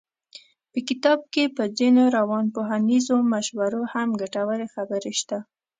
په کتاب کې په ځينو روانپوهنیزو مشورو هم ګټورې خبرې شته.